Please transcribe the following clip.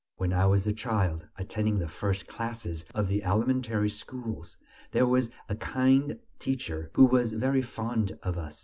When I was a child, attending the first classes of the elementary schools, there was a kind teacher who was very fond of us.